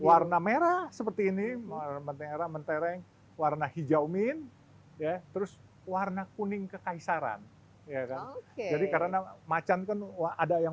warna merah seperti ini mentereng warna hijau min terus warna kuning kekaisaran